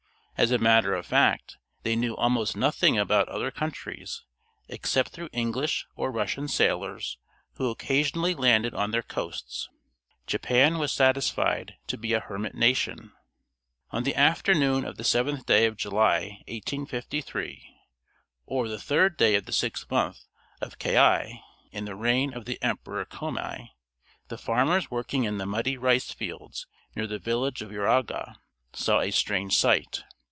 As a matter of fact they knew almost nothing about other countries, except through English or Russian sailors who occasionally landed on their coasts. Japan was satisfied to be a hermit nation. On the afternoon of the seventh day of July, 1853, or the third day of the sixth month of Kayéi, in the reign of the Emperor Koméi, the farmers working in the muddy rice fields near the village of Uraga saw a strange sight.